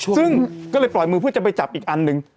ซึ่งก็เลยปล่อยมือเพื่อจะไปจับอีกอันหนึ่ง